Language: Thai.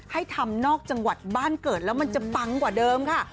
ให้ทำนอกจังหวัดบ้านเกิดแล้วมันจะปังกว่าเดิมค่ะ